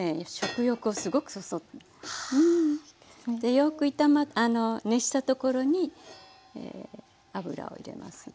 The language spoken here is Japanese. でよく熱したところに油を入れますね。